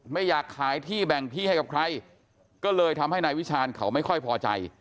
ไม่อยากขายที่แบ่งที่ให้กับใครก็เลยทำให้นายวิชาณเขาไม่ค่อยพอใจ